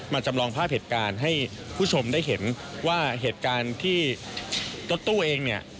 มาจำลองภาพเหตุการให้ผู้ชมได้เห็นว่าเหตุการที่ต้นตู้เอง